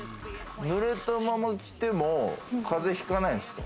ぬれたまま着ても風邪ひかないんですか？